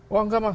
wah enggak mas